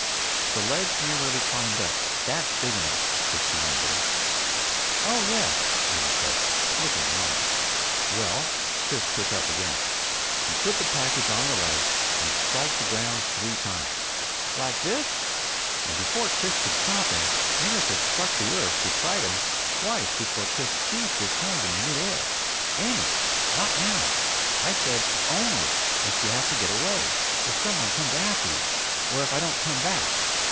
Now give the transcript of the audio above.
"The ledge near where we climbed up. That's big enough," Chris reminded him. "Oh yes," Amos said, looking wise. "Well," Chris took up again, "you put the package on the ledge and strike the ground three times " "Like this?" And before Chris could stop him, Amos had struck the earth beside him twice before Chris seized his hand in mid air. "Amos! Not now! I said only if you have to get away. If someone comes after you, or if I don't come back.